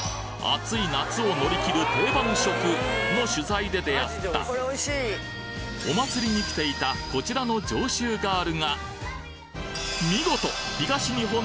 暑い夏を乗り切る定番食！？の取材で出会ったお祭りに来ていたこちらの見事を獲得！